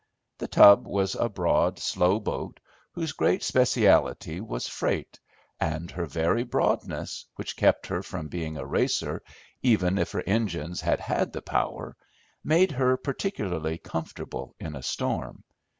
The Tub was a broad slow boat, whose great speciality was freight, and her very broadness, which kept her from being a racer, even if her engines had had the power, made her particularly comfortable in a storm.